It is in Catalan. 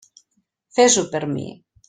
Fes-ho per mi.